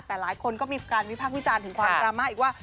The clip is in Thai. แต่หลายคนก็มีการวิพากษ์วิจารณ์ถึงความดราม่าอีกว่า